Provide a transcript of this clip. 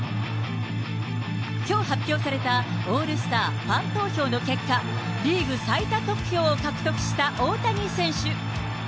きょう発表されたオールスターファン投票の結果、リーグ最多得票を獲得した大谷選手。